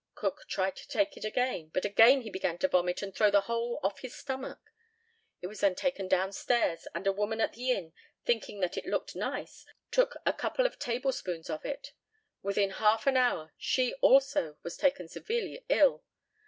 Cook tried to take it again, but again he began to vomit and throw the whole off his stomach. It was then taken down stairs, and a woman at the inn, thinking that it looked nice, took a couple of tablespoonfuls of it; within half an hour she also was taken severely ill.